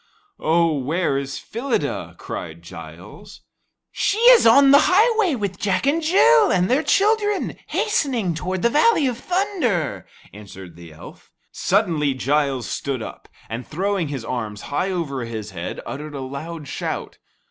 "Oh, where is Phyllida?" cried Giles. "She is on the highway with Jack and Jill and their children, hastening toward the Valley of Thunder," answered the elf. Suddenly Giles stood up, and throwing his arms high over his head, uttered a loud shout.